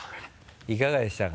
いかがでしたか？